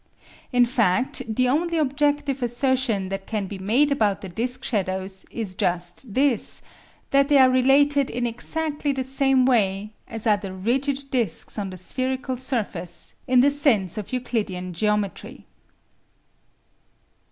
In fact the only objective assertion that can be made about the disc shadows is just this, that they are related in exactly the same way as are the rigid discs on the spherical surface in the sense of Euclidean geometry.